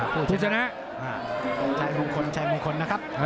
ผู้ชนะชัยมุงคลชัยมุงคลนะครับ